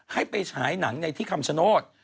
ให้ไปฉายหนังในที่คำชโนธ